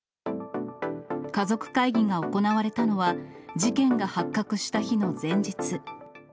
家族会議が行われたのは、事件が発覚した日の前日。